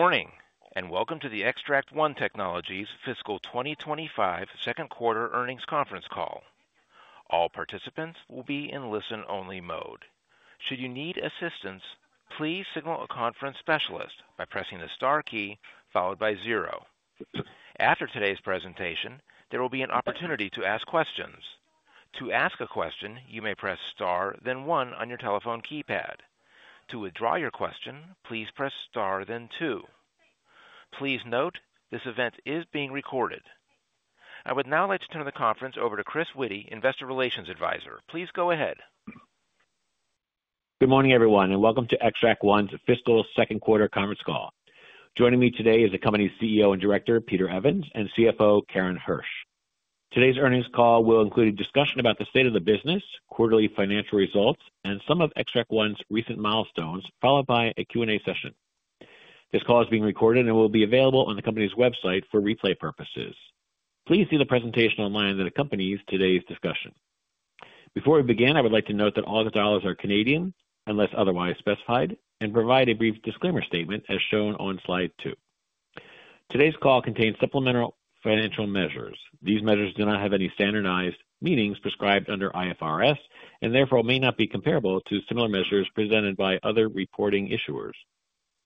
Good morning, and Welcome to the Xtract One Technologies Fiscal 2025 Second Quarter earnings conference call. All participants will be in listen-only mode. Should you need assistance, please signal a conference specialist by pressing the star key followed by zero. After today's presentation, there will be an opportunity to ask questions. To ask a question, you may press star, then one on your telephone keypad. To withdraw your question, please press star, then two. Please note this event is being recorded. I would now like to turn the conference over to Chris Witty, Investor Relations Advisor. Please go ahead. Good morning, everyone, and Welcome to Xtract One's Fiscal Second Quarter Conference Call. Joining me today is the company's CEO and Director, Peter Evans, and CFO, Karen Hersh. Today's earnings call will include a discussion about the state of the business, quarterly financial results, and some of Xtract One's recent milestones, followed by a Q&A session. This call is being recorded and will be available on the company's website for replay purposes. Please see the presentation online that accompanies today's discussion. Before we begin, I would like to note that all the dollars are Canadian, unless otherwise specified, and provide a brief disclaimer statement as shown on slide two. Today's call contains supplemental financial measures. These measures do not have any standardized meanings prescribed under IFRS and therefore may not be comparable to similar measures presented by other reporting issuers.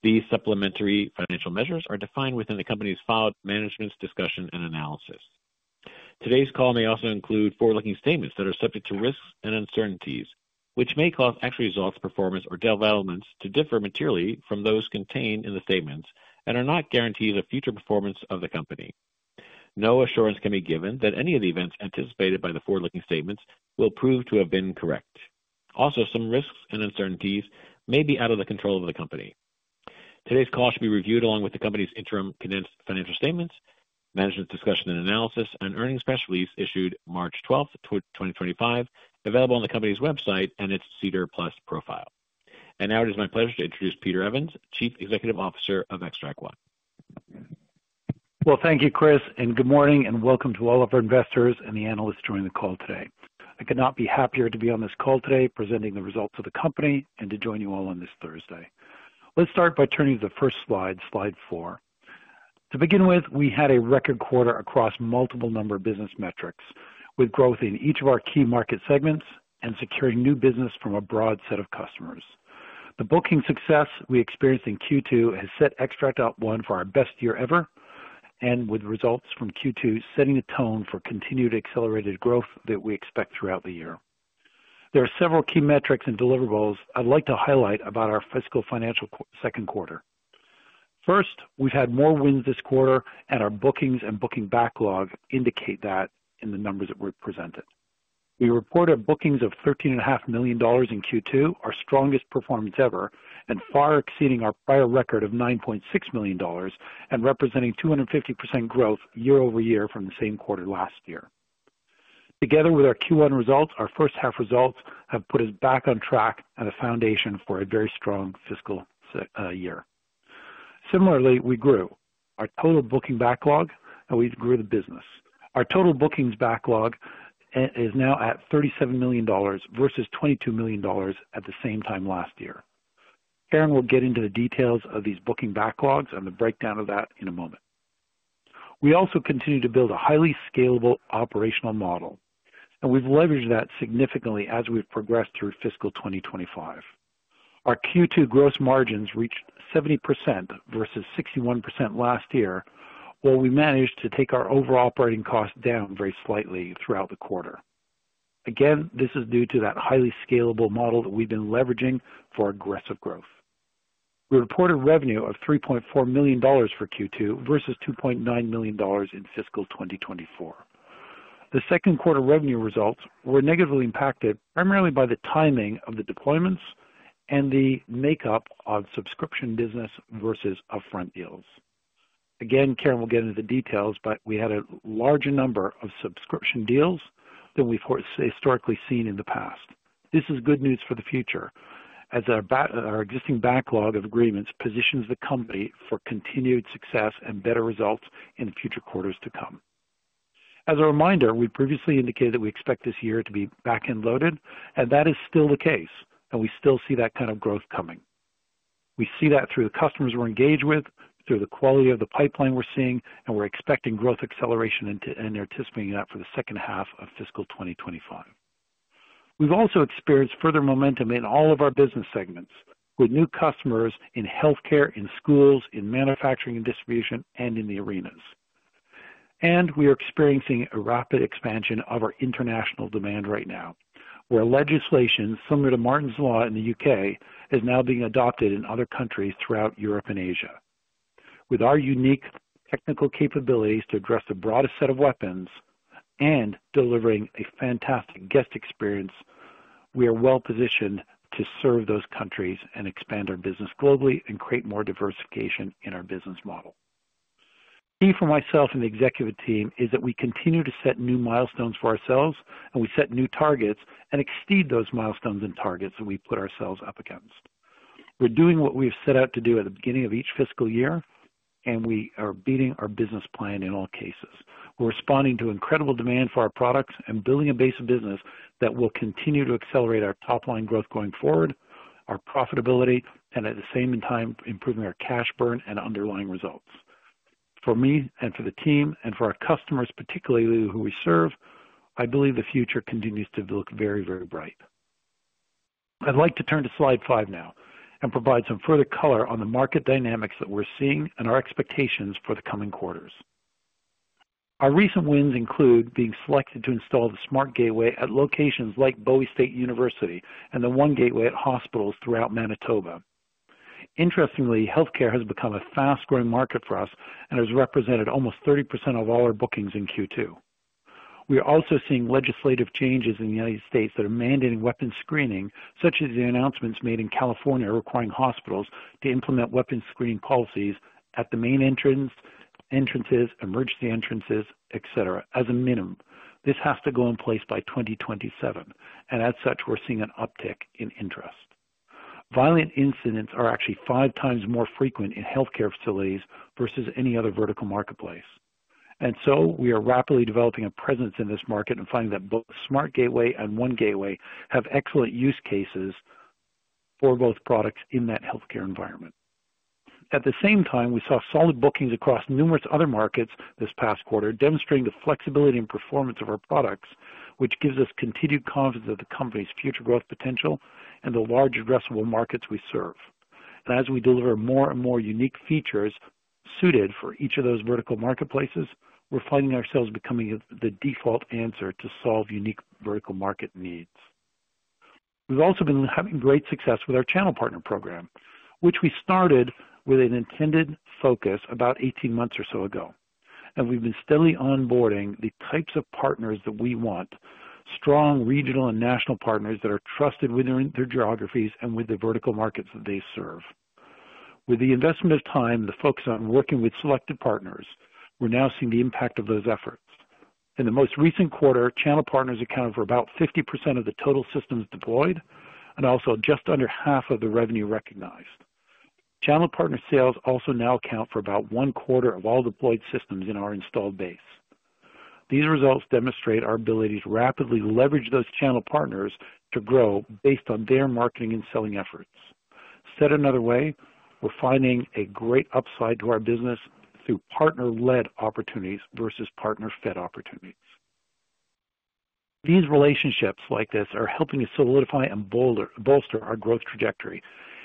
These supplementary financial measures are defined within the company's filed Management's Discussion and Analysis. Today's call may also include forward-looking statements that are subject to risks and uncertainties, which may cause actual results, performance, or developments to differ materially from those contained in the statements and are not guarantees of future performance of the company. No assurance can be given that any of the events anticipated by the forward-looking statements will prove to have been correct. Also, some risks and uncertainties may be out of the control of the company. Today's call should be reviewed along with the company's Interim Condensed Financial Statements, Management's Discussion and Analysis, and earnings press release issued March 12th, 2025, available on the company's website and its SEDAR+ profile. It is my pleasure to introduce Peter Evans, Chief Executive Officer of Xtract One. Thank you, Chris, and good morning, and welcome to all of our investors and the analysts joining the call today. I could not be happier to be on this call today presenting the results of the company and to join you all on this Thursday. Let's start by turning to the first slide, slide four. To begin with, we had a record quarter across multiple number of business metrics, with growth in each of our key market segments and securing new business from a broad set of customers. The booking success we experienced in Q2 has set Xtract One for our best year ever, and with results from Q2 setting the tone for continued accelerated growth that we expect throughout the year. There are several key metrics and deliverables I'd like to highlight about our fiscal financial second quarter. First, we've had more wins this quarter, and our bookings and booking backlog indicate that in the numbers that were presented. We reported bookings of 13.5 million dollars in Q2, our strongest performance ever, and far exceeding our prior record of 9.6 million dollars and representing 250% growth year-over-year from the same quarter last year. Together with our Q1 results, our first half results have put us back on track and a foundation for a very strong fiscal year. Similarly, we grew our total booking backlog, and we grew the business. Our total bookings backlog is now at 37 million dollars versus 22 million dollars at the same time last year. Karen will get into the details of these booking backlogs and the breakdown of that in a moment. We also continue to build a highly scalable operational model, and we've leveraged that significantly as we've progressed through fiscal 2025. Our Q2 gross margins reached 70% versus 61% last year, while we managed to take our overall operating costs down very slightly throughout the quarter. Again, this is due to that highly scalable model that we've been leveraging for aggressive growth. We reported revenue of 3.4 million dollars for Q2 versus 2.9 million dollars in fiscal 2024. The second quarter revenue results were negatively impacted primarily by the timing of the deployments and the makeup of subscription business versus upfront deals. Again, Karen will get into the details, but we had a larger number of subscription deals than we've historically seen in the past. This is good news for the future as our existing backlog of agreements positions the company for continued success and better results in future quarters to come. As a reminder, we previously indicated that we expect this year to be back end loaded, and that is still the case, and we still see that kind of growth coming. We see that through the customers we're engaged with, through the quality of the pipeline we're seeing, and we're expecting growth acceleration and anticipating that for the second half of fiscal 2025. We have also experienced further momentum in all of our business segments with new customers in healthcare, in schools, in manufacturing and distribution, and in the arenas. We are experiencing a rapid expansion of our international demand right now, where legislation similar to Martyn's Law in the U.K. is now being adopted in other countries throughout Europe and Asia. With our unique technical capabilities to address the broadest set of weapons and delivering a fantastic guest experience, we are well positioned to serve those countries and expand our business globally and create more diversification in our business model. Key for myself and the executive team is that we continue to set new milestones for ourselves, and we set new targets and exceed those milestones and targets that we put ourselves up against. We're doing what we have set out to do at the beginning of each fiscal year, and we are beating our business plan in all cases. We're responding to incredible demand for our products and building a base of business that will continue to accelerate our top-line growth going forward, our profitability, and at the same time, improving our cash burn and underlying results. For me and for the team and for our customers, particularly who we serve, I believe the future continues to look very, very bright. I'd like to turn to slide five now and provide some further color on the market dynamics that we're seeing and our expectations for the coming quarters. Our recent wins include being selected to install the SmartGateway at locations like Bowie State University and the One Gateway at hospitals throughout Manitoba. Interestingly, healthcare has become a fast-growing market for us and has represented almost 30% of all our bookings in Q2. We are also seeing legislative changes in the United States that are mandating weapons screening, such as the announcements made in California requiring hospitals to implement weapons screening policies at the main entrances, emergency entrances, etc., as a minimum. This has to go in place by 2027, and as such, we're seeing an uptick in interest. Violent incidents are actually five times more frequent in healthcare facilities versus any other vertical marketplace. We are rapidly developing a presence in this market and finding that both SmartGateway and One Gateway have excellent use cases for both products in that healthcare environment. At the same time, we saw solid bookings across numerous other markets this past quarter, demonstrating the flexibility and performance of our products, which gives us continued confidence of the company's future growth potential and the large addressable markets we serve. As we deliver more and more unique features suited for each of those vertical marketplaces, we're finding ourselves becoming the default answer to solve unique vertical market needs. We've also been having great success with our channel partner program, which we started with an intended focus about 18 months or so ago, and we've been steadily onboarding the types of partners that we want: strong regional and national partners that are trusted within their geographies and with the vertical markets that they serve. With the investment of time and the focus on working with selected partners, we're now seeing the impact of those efforts. In the most recent quarter, channel partners accounted for about 50% of the total systems deployed and also just under half of the revenue recognized. Channel partner sales also now account for about one quarter of all deployed systems in our installed base. These results demonstrate our ability to rapidly leverage those channel partners to grow based on their marketing and selling efforts. Said another way, we're finding a great upside to our business through partner-led opportunities versus partner-fed opportunities. These relationships like this are helping to solidify and bolster our growth trajectory,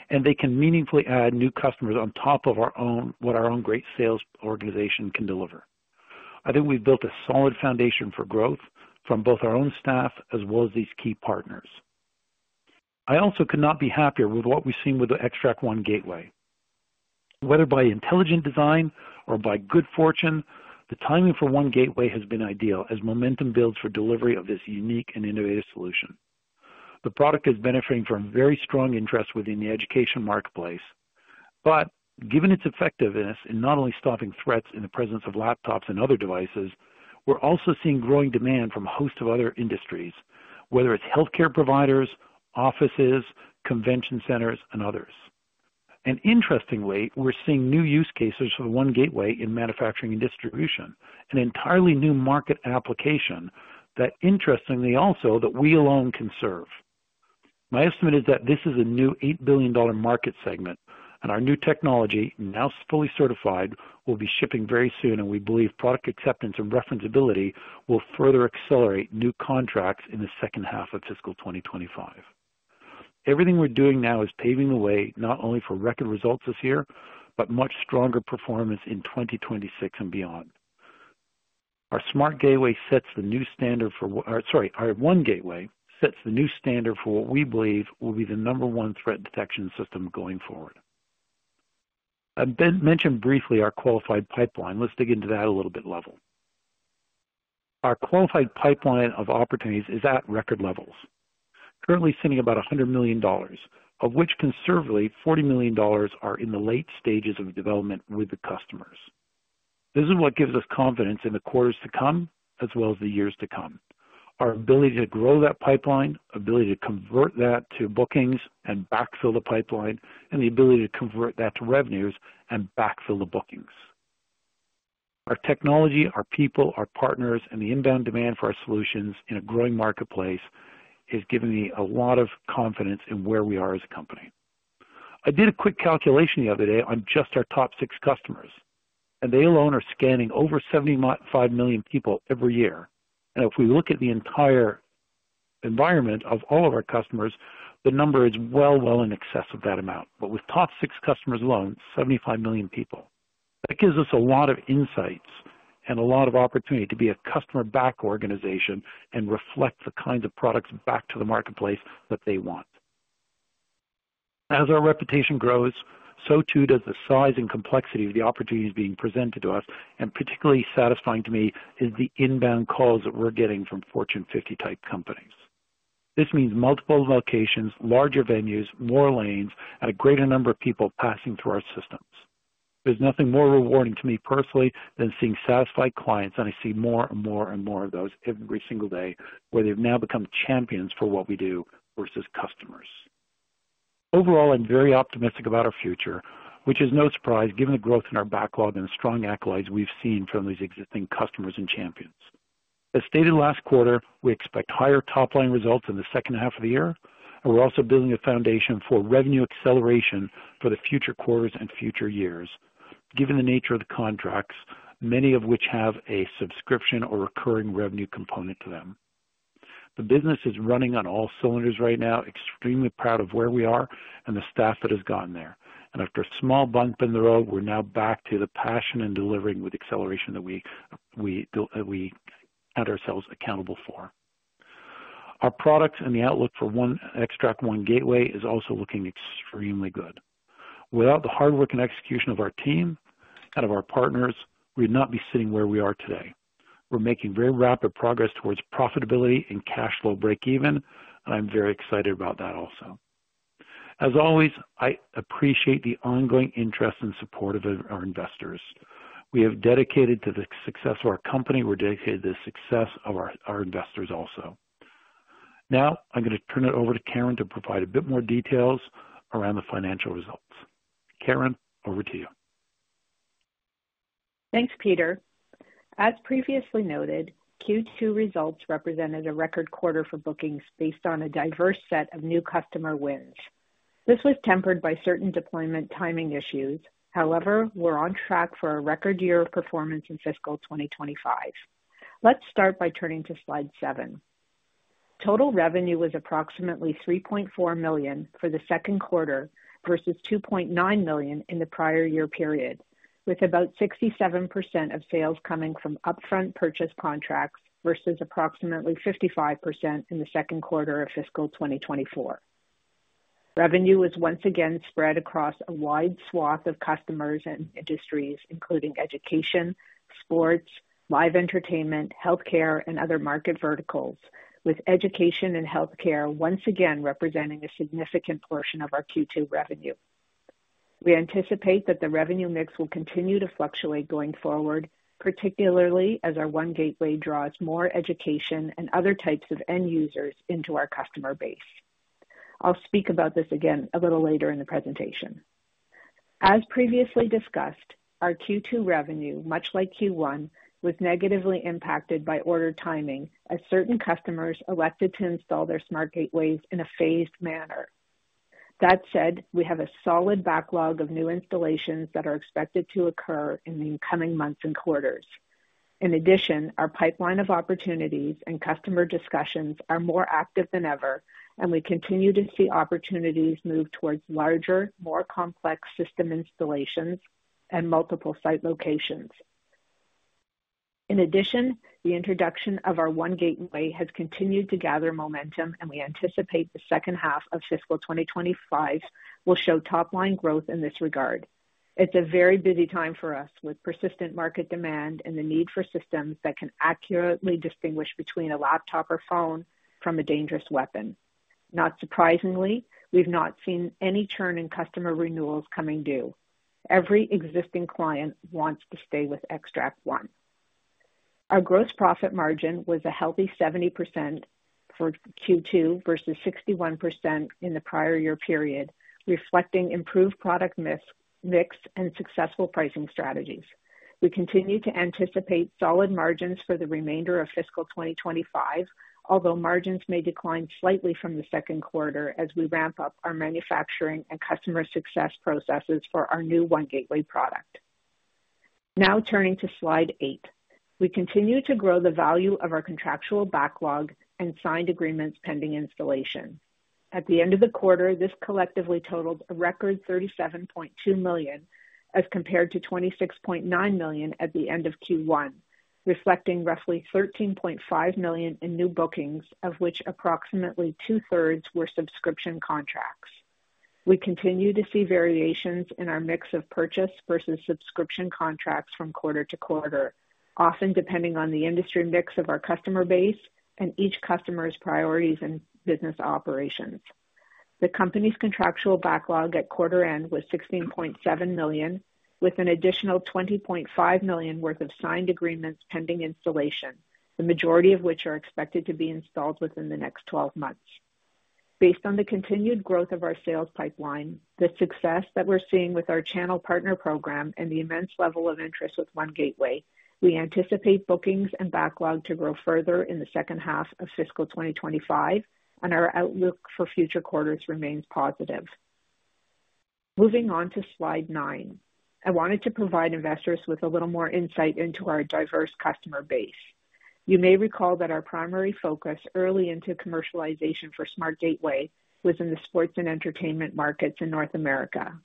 and they can meaningfully add new customers on top of what our own great sales organization can deliver. I think we've built a solid foundation for growth from both our own staff as well as these key partners. I also could not be happier with what we've seen with the Xtract One Gateway. Whether by intelligent design or by good fortune, the timing for One Gateway has been ideal as momentum builds for delivery of this unique and innovative solution. The product is benefiting from very strong interest within the education marketplace, but given its effectiveness in not only stopping threats in the presence of laptops and other devices, we're also seeing growing demand from a host of other industries, whether it's healthcare providers, offices, convention centers, and others. Interestingly, we're seeing new use cases for One Gateway in manufacturing and distribution, an entirely new market application that, interestingly also, we alone can serve. My estimate is that this is a new 8 billion dollar market segment, and our new technology, now fully certified, will be shipping very soon, and we believe product acceptance and referenceability will further accelerate new contracts in the second half of fiscal 2025. Everything we're doing now is paving the way not only for record results this year, but much stronger performance in 2026 and beyond. Our SmartGateway sets the new standard for—sorry, our One Gateway sets the new standard for what we believe will be the number one threat detection system going forward. I mentioned briefly our qualified pipeline. Let's dig into that a little bit level. Our qualified pipeline of opportunities is at record levels, currently sitting at about 100 million dollars, of which conservatively 40 million dollars are in the late stages of development with the customers. This is what gives us confidence in the quarters to come as well as the years to come: our ability to grow that pipeline, ability to convert that to bookings and backfill the pipeline, and the ability to convert that to revenues and backfill the bookings. Our technology, our people, our partners, and the inbound demand for our solutions in a growing marketplace is giving me a lot of confidence in where we are as a company. I did a quick calculation the other day on just our top six customers, and they alone are scanning over 75 million people every year. If we look at the entire environment of all of our customers, the number is well, well in excess of that amount. With top six customers alone, 75 million people, that gives us a lot of insights and a lot of opportunity to be a customer-backed organization and reflect the kinds of products back to the marketplace that they want. As our reputation grows, so too does the size and complexity of the opportunities being presented to us. Particularly satisfying to me is the inbound calls that we're getting from Fortune 50 type companies. This means multiple locations, larger venues, more lanes, and a greater number of people passing through our systems. There's nothing more rewarding to me personally than seeing satisfied clients, and I see more and more and more of those every single day, where they've now become champions for what we do versus customers. Overall, I'm very optimistic about our future, which is no surprise given the growth in our backlog and the strong accolades we've seen from these existing customers and champions. As stated last quarter, we expect higher top-line results in the second half of the year, and we're also building a foundation for revenue acceleration for the future quarters and future years, given the nature of the contracts, many of which have a subscription or recurring revenue component to them. The business is running on all cylinders right now, extremely proud of where we are and the staff that has gotten there. After a small bump in the road, we're now back to the passion and delivering with acceleration that we held ourselves accountable for. Our products and the outlook for Xtract One Gateway is also looking extremely good. Without the hard work and execution of our team and of our partners, we would not be sitting where we are today. We're making very rapid progress towards profitability and cash flow breakeven, and I'm very excited about that also. As always, I appreciate the ongoing interest and support of our investors. We have dedicated to the success of our company; we're dedicated to the success of our investors also. Now, I'm going to turn it over to Karen to provide a bit more details around the financial results. Karen, over to you. Thanks, Peter. As previously noted, Q2 results represented a record quarter for bookings based on a diverse set of new customer wins. This was tempered by certain deployment timing issues. However, we're on track for a record year of performance in fiscal 2025. Let's start by turning to slide seven. Total revenue was approximately 3.4 million for the second quarter versus 2.9 million in the prior year period, with about 67% of sales coming from upfront purchase contracts versus approximately 55% in the second quarter of fiscal 2024. Revenue was once again spread across a wide swath of customers and industries, including education, sports, live entertainment, healthcare, and other market verticals, with education and healthcare once again representing a significant portion of our Q2 revenue. We anticipate that the revenue mix will continue to fluctuate going forward, particularly as our One Gateway draws more education and other types of end users into our customer base. I'll speak about this again a little later in the presentation. As previously discussed, our Q2 revenue, much like Q1, was negatively impacted by order timing as certain customers elected to install their SmartGateways in a phased manner. That said, we have a solid backlog of new installations that are expected to occur in the coming months and quarters. In addition, our pipeline of opportunities and customer discussions are more active than ever, and we continue to see opportunities move towards larger, more complex system installations and multiple site locations. In addition, the introduction of our One Gateway has continued to gather momentum, and we anticipate the second half of fiscal 2025 will show top-line growth in this regard. It's a very busy time for us with persistent market demand and the need for systems that can accurately distinguish between a laptop or phone from a dangerous weapon. Not surprisingly, we've not seen any churn in customer renewals coming due. Every existing client wants to stay with Xtract One. Our gross profit margin was a healthy 70% for Q2 versus 61% in the prior year period, reflecting improved product mix and successful pricing strategies. We continue to anticipate solid margins for the remainder of fiscal 2025, although margins may decline slightly from the second quarter as we ramp up our manufacturing and customer success processes for our new One Gateway product. Now turning to slide eight, we continue to grow the value of our contractual backlog and signed agreements pending installation. At the end of the quarter, this collectively totaled a record 37.2 million as compared to 26.9 million at the end of Q1, reflecting roughly 13.5 million in new bookings, of which approximately 2/3 were subscription contracts. We continue to see variations in our mix of purchase versus subscription contracts from quarter to quarter, often depending on the industry mix of our customer base and each customer's priorities and business operations. The company's contractual backlog at quarter end was 16.7 million, with an additional 20.5 million worth of signed agreements pending installation, the majority of which are expected to be installed within the next 12 months. Based on the continued growth of our sales pipeline, the success that we're seeing with our channel partner program, and the immense level of interest with One Gateway, we anticipate bookings and backlog to grow further in the second half of fiscal 2025, and our outlook for future quarters remains positive. Moving on to slide nine, I wanted to provide investors with a little more insight into our diverse customer base. You may recall that our primary focus early into commercialization for SmartGateway was in the sports and entertainment markets in North America.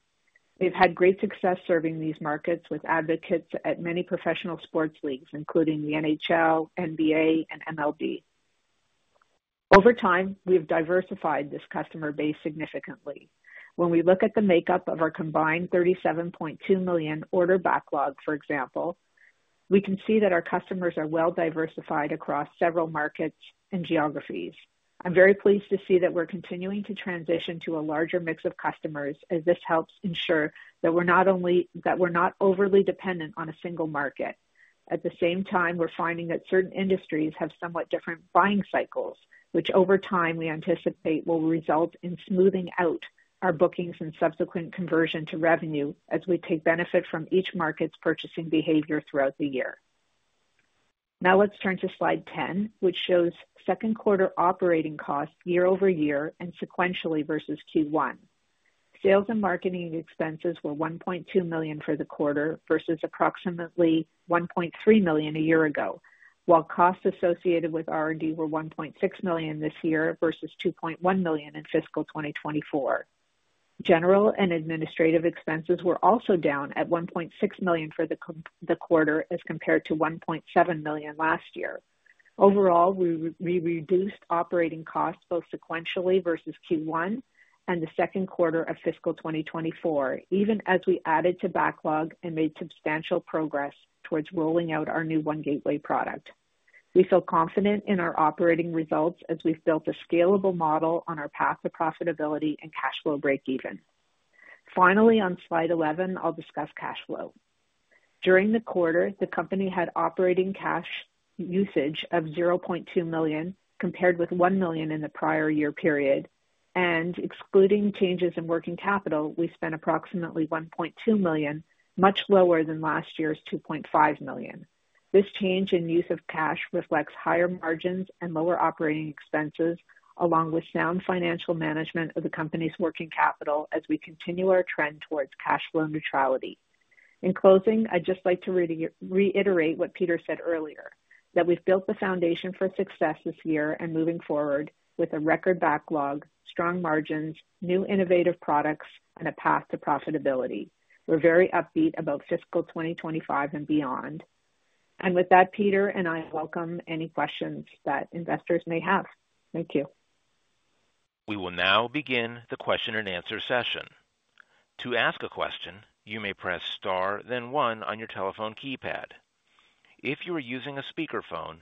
We've had great success serving these markets with advocates at many professional sports leagues, including the NHL, NBA, and MLB. Over time, we have diversified this customer base significantly. When we look at the makeup of our combined 37.2 million order backlog, for example, we can see that our customers are well diversified across several markets and geographies. I'm very pleased to see that we're continuing to transition to a larger mix of customers as this helps ensure that we're not overly dependent on a single market. At the same time, we're finding that certain industries have somewhat different buying cycles, which over time we anticipate will result in smoothing out our bookings and subsequent conversion to revenue as we take benefit from each market's purchasing behavior throughout the year. Now let's turn to slide ten, which shows second quarter operating costs year-over-year and sequentially versus Q1. Sales and marketing expenses were 1.2 million for the quarter versus approximately 1.3 million a year ago, while costs associated with R&D were 1.6 million this year versus 2.1 million in fiscal 2024. General and administrative expenses were also down at 1.6 million for the quarter as compared to 1.7 million last year. Overall, we reduced operating costs both sequentially versus Q1 and the second quarter of fiscal 2024, even as we added to backlog and made substantial progress towards rolling out our new One Gateway product. We feel confident in our operating results as we've built a scalable model on our path to profitability and cash flow breakeven. Finally, on slide eleven, I'll discuss cash flow. During the quarter, the company had operating cash usage of 0.2 million compared with 1 million in the prior year period, and excluding changes in working capital, we spent approximately 1.2 million, much lower than last year's 2.5 million. This change in use of cash reflects higher margins and lower operating expenses, along with sound financial management of the company's working capital as we continue our trend towards cash flow neutrality. In closing, I'd just like to reiterate what Peter said earlier, that we've built the foundation for success this year and moving forward with a record backlog, strong margins, new innovative products, and a path to profitability. We're very upbeat about fiscal 2025 and beyond. Peter and I welcome any questions that investors may have. Thank you. We will now begin the question and answer session. To ask a question, you may press star, then one on your telephone keypad. If you are using a speakerphone,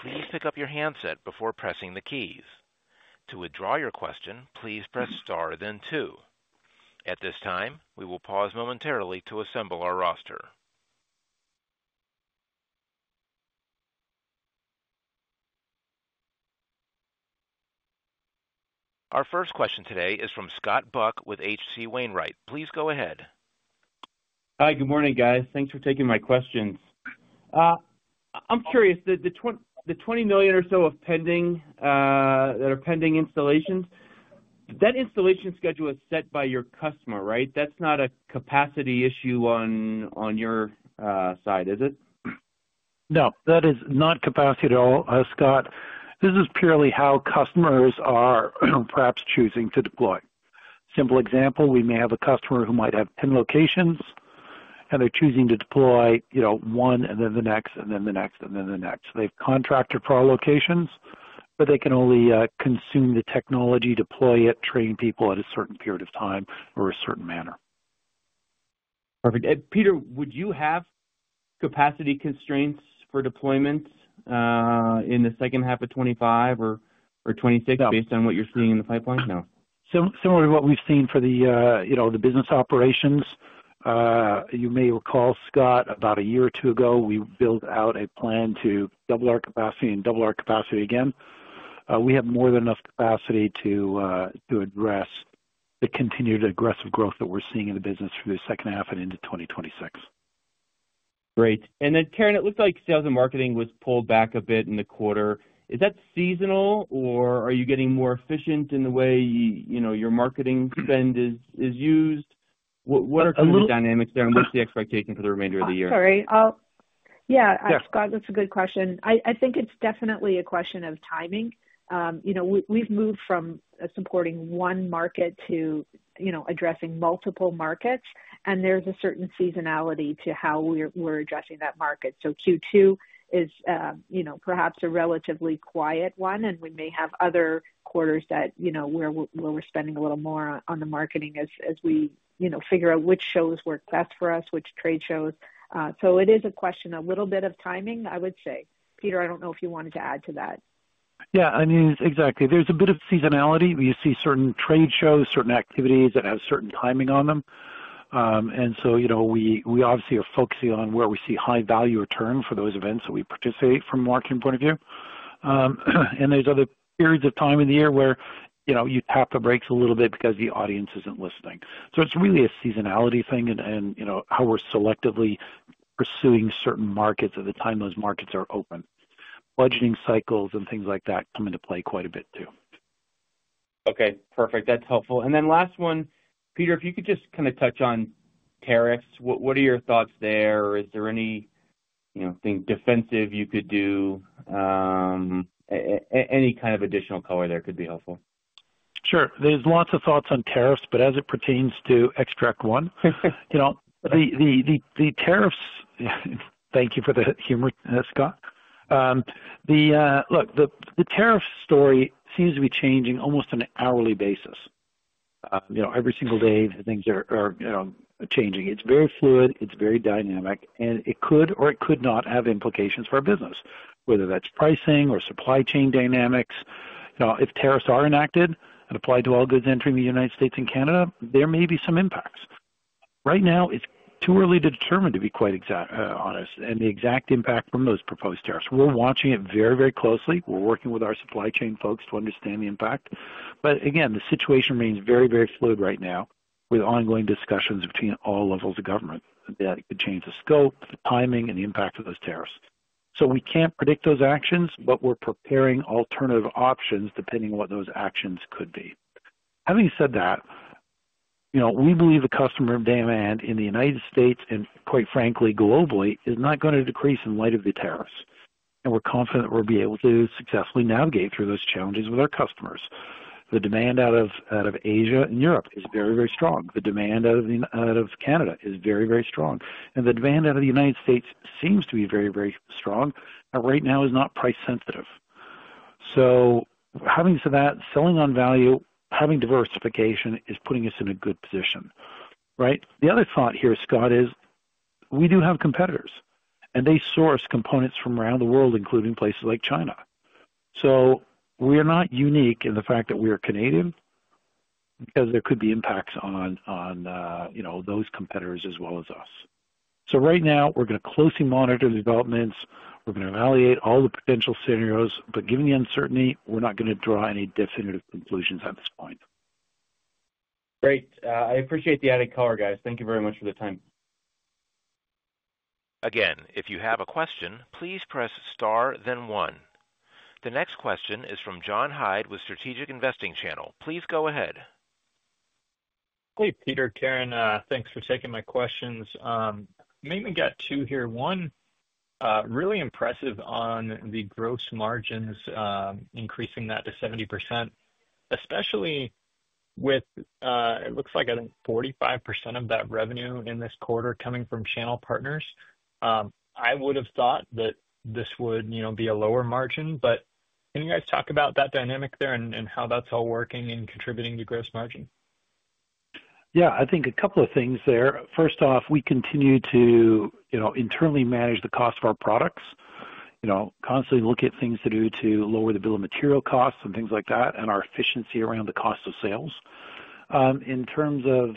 please pick up your handset before pressing the keys. To withdraw your question, please press star, then two. At this time, we will pause momentarily to assemble our roster. Our first question today is from Scott Buck with H.C. Wainwright. Please go ahead. Hi, good morning, guys. Thanks for taking my questions. I'm curious, the 20 million or so of pending installations, that installation schedule is set by your customer, right? That's not a capacity issue on your side, is it? No, that is not capacity at all, Scott. This is purely how customers are perhaps choosing to deploy. Simple example, we may have a customer who might have 10 locations, and they're choosing to deploy one and then the next and then the next and then the next. They've contracted for our locations, but they can only consume the technology, deploy it, train people at a certain period of time or a certain manner. Perfect. Peter, would you have capacity constraints for deployments in the second half of 2025 or 2026 based on what you're seeing in the pipeline? No. Similar to what we've seen for the business operations. You may recall, Scott, about a year or two ago, we built out a plan to double our capacity and double our capacity again. We have more than enough capacity to address the continued aggressive growth that we're seeing in the business through the second half and into 2026. Great. Karen, it looks like sales and marketing was pulled back a bit in the quarter. Is that seasonal, or are you getting more efficient in the way your marketing spend is used? What are some of the dynamics there, and what's the expectation for the remainder of the year? Sorry. Yeah, Scott, that's a good question. I think it's definitely a question of timing. We've moved from supporting one market to addressing multiple markets, and there's a certain seasonality to how we're addressing that market. Q2 is perhaps a relatively quiet one, and we may have other quarters where we're spending a little more on the marketing as we figure out which shows work best for us, which trade shows. It is a question a little bit of timing, I would say. Peter, I don't know if you wanted to add to that. Yeah, I mean, exactly. There's a bit of seasonality. We see certain trade shows, certain activities that have certain timing on them. We obviously are focusing on where we see high value return for those events that we participate from a marketing point of view. There are other periods of time in the year where you tap the brakes a little bit because the audience is not listening. It is really a seasonality thing and how we are selectively pursuing certain markets at the time those markets are open. Budgeting cycles and things like that come into play quite a bit too. Okay. Perfect. That is helpful. Last one, Peter, if you could just kind of touch on tariffs, what are your thoughts there? Is there anything defensive you could do? Any kind of additional color there could be helpful. Sure. There's lots of thoughts on tariffs, but as it pertains to Xtract One, the tariffs—thank you for the humor, Scott—look, the tariffs story seems to be changing almost on an hourly basis. Every single day, things are changing. It's very fluid. It's very dynamic. It could or it could not have implications for our business, whether that's pricing or supply chain dynamics. If tariffs are enacted and applied to all goods entering the United States and Canada, there may be some impacts. Right now, it's too early to determine to be quite honest and the exact impact from those proposed tariffs. We're watching it very, very closely. We're working with our supply chain folks to understand the impact. The situation remains very, very fluid right now with ongoing discussions between all levels of government that could change the scope, the timing, and the impact of those tariffs. We can't predict those actions, but we're preparing alternative options depending on what those actions could be. Having said that, we believe the customer demand in the United States and, quite frankly, globally, is not going to decrease in light of the tariffs. We're confident we'll be able to successfully navigate through those challenges with our customers. The demand out of Asia and Europe is very, very strong. The demand out of Canada is very, very strong. The demand out of the United States seems to be very, very strong and right now is not price-sensitive. Having said that, selling on value, having diversification is putting us in a good position, right? The other thought here, Scott, is we do have competitors, and they source components from around the world, including places like China. We're not unique in the fact that we're Canadian because there could be impacts on those competitors as well as us. Right now, we're going to closely monitor the developments. We're going to evaluate all the potential scenarios. Given the uncertainty, we're not going to draw any definitive conclusions at this point. Great. I appreciate the added color, guys. Thank you very much for the time. Again, if you have a question, please press star, then one. The next question is from John Hyde with Strategic Investing Channel. Please go ahead. Hey, Peter. Karen, thanks for taking my questions. Maybe we got two here. One, really impressive on the gross margins, increasing that to 70%, especially with, it looks like, I think 45% of that revenue in this quarter coming from channel partners. I would have thought that this would be a lower margin, but can you guys talk about that dynamic there and how that's all working and contributing to gross margin? Yeah, I think a couple of things there. First off, we continue to internally manage the cost of our products, constantly look at things to do to lower the bill of material costs and things like that, and our efficiency around the cost of sales. In terms of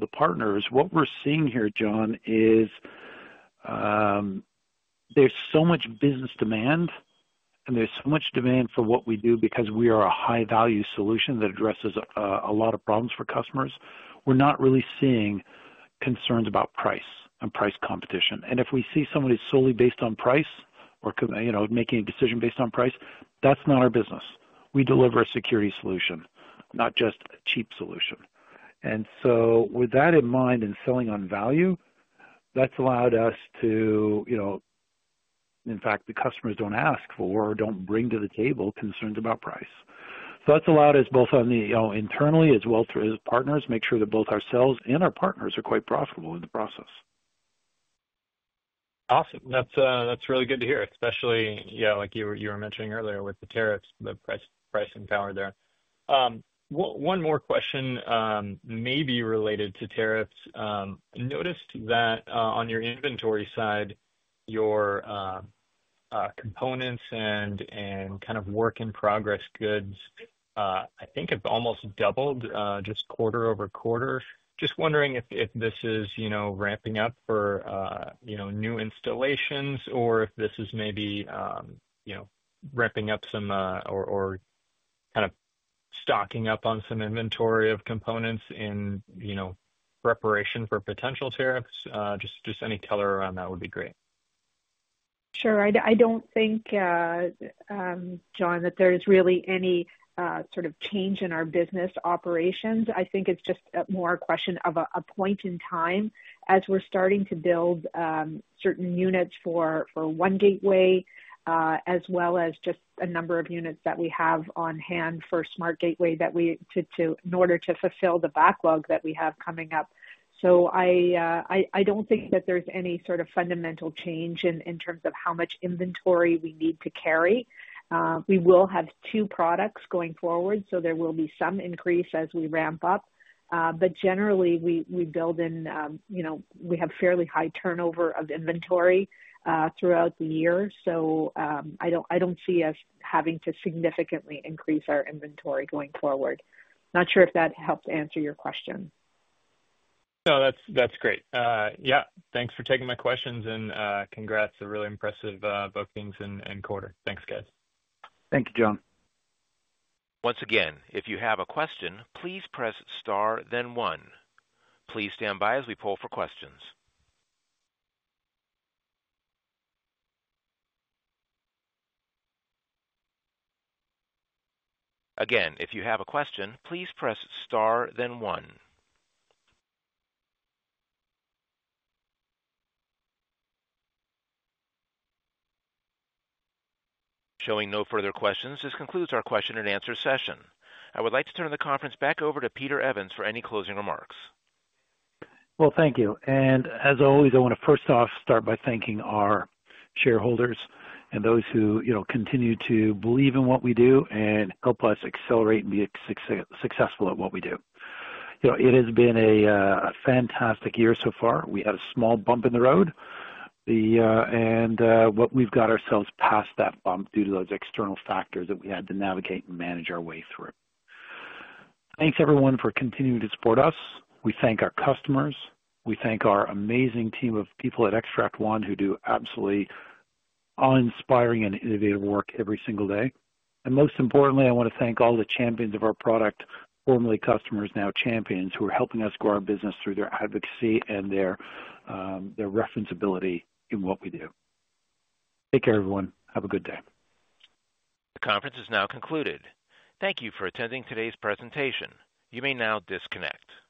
the partners, what we're seeing here, John, is there's so much business demand, and there's so much demand for what we do because we are a high-value solution that addresses a lot of problems for customers. We're not really seeing concerns about price and price competition. If we see somebody solely based on price or making a decision based on price, that's not our business. We deliver a security solution, not just a cheap solution. With that in mind and selling on value, that's allowed us to, in fact, the customers do not ask for or do not bring to the table concerns about price. That has allowed us both internally as well as partners to make sure that both ourselves and our partners are quite profitable in the process. Awesome. That is really good to hear, especially like you were mentioning earlier with the tariffs, the pricing power there. One more question may be related to tariffs. Noticed that on your inventory side, your components and kind of work in progress goods, I think have almost doubled just quarter over quarter. Just wondering if this is ramping up for new installations or if this is maybe ramping up some or kind of stocking up on some inventory of components in preparation for potential tariffs. Just any color around that would be great. Sure. I do not think, John, that there is really any sort of change in our business operations. I think it is just more a question of a point in time as we are starting to build certain units for One Gateway as well as just a number of units that we have on hand for SmartGateway in order to fulfill the backlog that we have coming up. I do not think that there is any sort of fundamental change in terms of how much inventory we need to carry. We will have two products going forward, so there will be some increase as we ramp up. Generally, we build in, we have fairly high turnover of inventory throughout the year. I do not see us having to significantly increase our inventory going forward. Not sure if that helped answer your question. No, that is great. Yeah. Thanks for taking my questions and congrats. A really impressive bookings and quarter. Thanks, guys. Thank you, John. Once again, if you have a question, please press star, then one. Please stand by as we pull for questions. Again, if you have a question, please press star, then one. Showing no further questions, this concludes our question and answer session. I would like to turn the conference back over to Peter Evans for any closing remarks. Thank you. As always, I want to first off start by thanking our shareholders and those who continue to believe in what we do and help us accelerate and be successful at what we do. It has been a fantastic year so far. We had a small bump in the road, and we've got ourselves past that bump due to those external factors that we had to navigate and manage our way through. Thanks, everyone, for continuing to support us. We thank our customers. We thank our amazing team of people at Xtract One who do absolutely awe-inspiring and innovative work every single day. Most importantly, I want to thank all the champions of our product, formerly customers, now champions, who are helping us grow our business through their advocacy and their referenceability in what we do. Take care, everyone. Have a good day. The conference is now concluded. Thank you for attending today's presentation. You may now disconnect.